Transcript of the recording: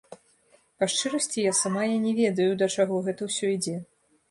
Па шчырасці, я самая не ведаю, да чаго гэта ўсё ідзе.